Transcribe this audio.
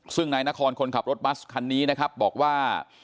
ซึ่งนายนครคนขับรถบัสคันนี้นะครับบอกว่า